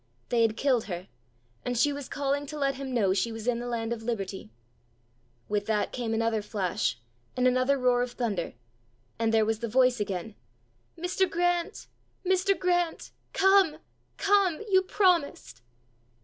They had killed her, and she was calling to let him know she was in the land of liberty! With that came another flash and another roar of thunder and there was the voice again: "Mr. Grant! Mr. Grant! come, come! You promised!"